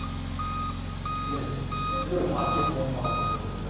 いよいよ秋本番ということですが